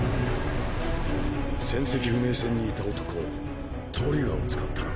船籍不明船にいた男トリガーを使ったな。